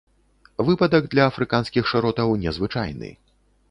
Выпадак для афрыканскіх шыротаў незвычайны.